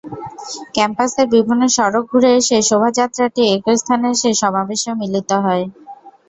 ক্যাম্পাসের বিভিন্ন সড়ক ঘুরে এসে শোভাযাত্রাটি একই স্থানে এসে সমাবেশে মিলিত হয়।